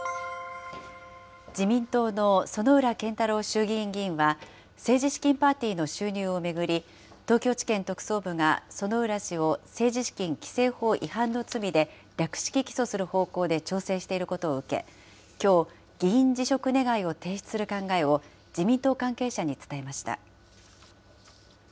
自民党の薗浦健太郎衆議院議員は、政治資金パーティーの収入を巡り、東京地検特捜部が薗浦氏を政治資金規正法違反の罪で、略式起訴する方向で調整していることを受け、きょう、議員辞職願を提出する考えを、自民党関係者に伝えました。